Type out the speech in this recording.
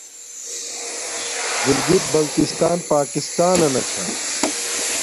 گلگت بلتستان پاکستانانا چھا